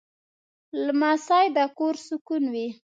لمسی د کور سکون وي.